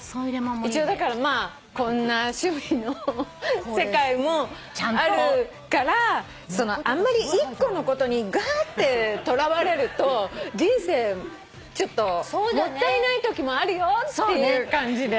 一応だからまあこんな趣味の世界もあるからあんまり１個のことにがってとらわれると人生ちょっともったいないときもあるよっていう感じで。